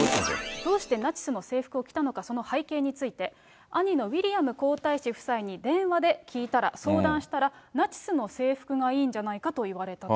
どうしてナチスの制服を着たのか、その背景について、兄のウィリアム皇太子夫妻に電話で聞いたら、相談したら、ナチスの制服がいいんじゃないかと言われたと。